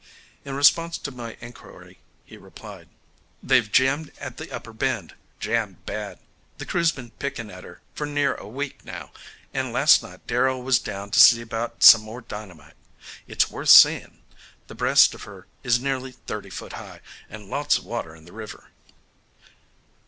In response to my inquiry, he replied: "They've jammed at the upper bend, jammed bad. The crew's been picking at her for near a week now, and last night Darrell was down to see about some more dynamite. It's worth seein'. The breast of her is near thirty foot high, and lots of water in the river."